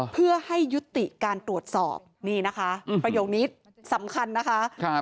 เพื่อให้ยุติการตรวจสอบนี่นะคะประโยคนี้สำคัญนะคะ